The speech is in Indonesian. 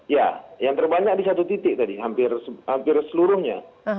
ya yang terbanyak di satu titik tadi hampir seluruhnya